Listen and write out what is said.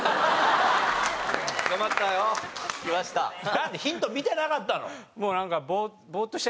だってヒント見てなかったの？